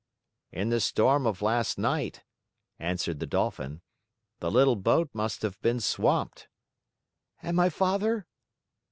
"In the storm of last night," answered the Dolphin, "the little boat must have been swamped." "And my father?"